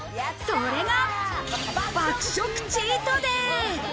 それが爆食チートデイ！